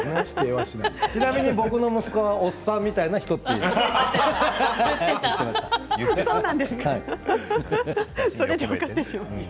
ちなみにうちの息子は、おっさんみたいな人と言ってます言ってた。